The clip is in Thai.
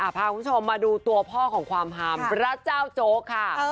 พาคุณผู้ชมมาดูตัวพ่อของความฮามพระเจ้าโจ๊กค่ะ